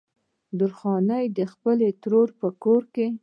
درخانۍ د خپلې ترور په کور